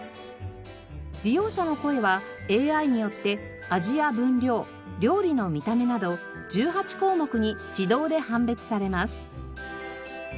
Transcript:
利用者の声はＡＩによって味や分量料理の見た目など１８項目に自動で判別されます。